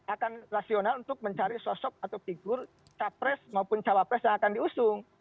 akan rasional untuk mencari sosok atau figur capres maupun cawapres yang akan diusung